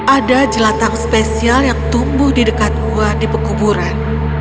ada jelatang spesial yang tumbuh di dekat gua di pekuburan